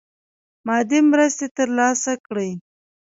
مادي مرستي تر لاسه کړي.